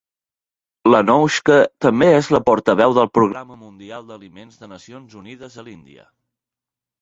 L'Anoushka també és la portaveu del Programa Mundial d'Aliments de Nacions Unides a l'Índia.